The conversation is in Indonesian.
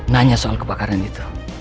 nanya soal kepakaran itu